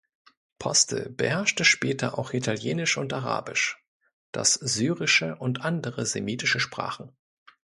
Postel beherrschte später auch Italienisch und Arabisch, das Syrische und andere semitische Sprachen.